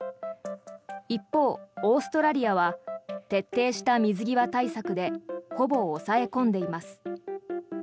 一方、オーストラリアは徹底した水際対策でほぼ抑え込んでいます。